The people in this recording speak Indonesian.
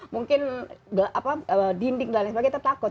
mungkin dinding dan lain sebagainya kita takut